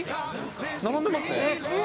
並んでますね。